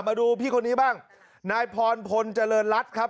มาดูพี่คนนี้บ้างนายพรพลเจริญรัฐครับ